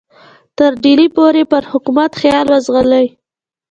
تر ډهلي پورې یې پر حکومت خیال وځغلي.